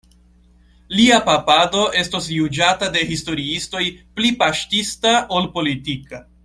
Lia papado estos juĝata de historiistoj pli paŝtista ol politika.